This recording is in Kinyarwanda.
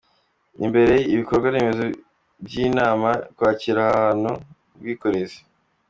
imbere ibikorwa remezo by’inama, kwakira abantu, ubwikorezi